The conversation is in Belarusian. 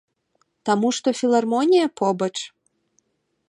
Таму што філармонія побач?